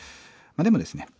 でもですね